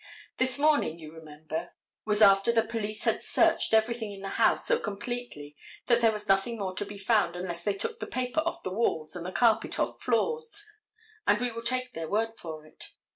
This morning, you remember, was after the police had searched everything in the house so completely that there was nothing more to be found unless they took the paper off the walls and the carpets off floors, and we will take their word for it.